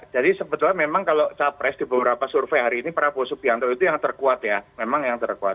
tapi sebetulnya kalau capres ini menangin koalisi anis pak suedan